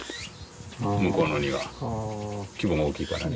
向こうの庭あぁ規模も大きいからね